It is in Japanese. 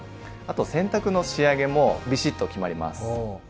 あと洗濯の仕上げもビシッと決まります。